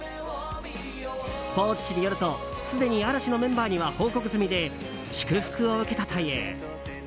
スポーツ紙によるとすでに嵐のメンバーには報告済みで、祝福を受けたという。